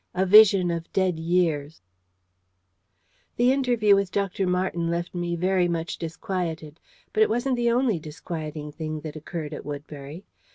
A VISION OF DEAD YEARS The interview with Dr. Marten left me very much disquieted. But it wasn't the only disquieting thing that occurred at Woodbury.